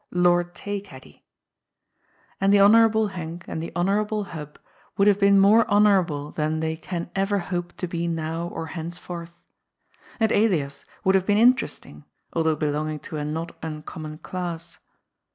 Lord Taycaddy. And the Honourable Henk and the Honourable Hub would have been more honourable then than they can ever hope to be now or henceforth. And Elias would have been interesting, although belonging to a not uncommon class.